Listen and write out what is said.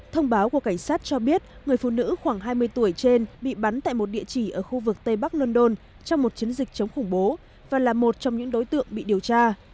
thông báo của cảnh sát cho biết người phụ nữ khoảng hai mươi tuổi trên bị bắn tại một địa chỉ ở khu vực tây bắc london trong một chiến dịch chống khủng bố và là một trong những đối tượng bị điều tra